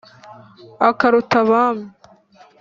Akaruta Abami,